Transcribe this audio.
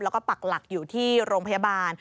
แล้วก็ปักหลักอยู่ที่โรงพยาบาล